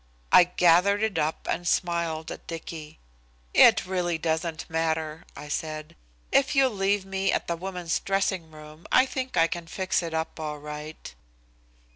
I gathered it up and smiled at Dicky. "It really doesn't matter," I said. "If you'll leave me at the woman's dressing room I think I can fix it up all right."